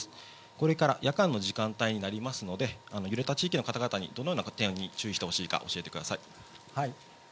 これから夜間の時間帯になりますので、揺れた地域の方々に、どのような点に注意してほしいか、教えてください。